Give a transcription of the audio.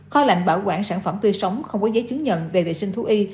kho lạnh bảo quản sản phẩm tươi sống không có giấy chứng nhận về vệ sinh thú y